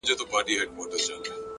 علم د تیارو پر وړاندې رڼا ده.!